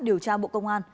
điều tra bộ công an